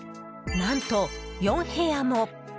何と４部屋も！